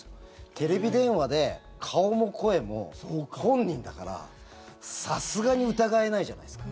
テレビ電話で顔も声も本人だからさすがに疑えないじゃないですか。